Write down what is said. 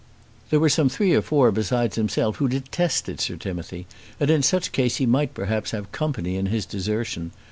There were some three or four besides himself who detested Sir Timothy, and in such case he might perhaps have company in his desertion.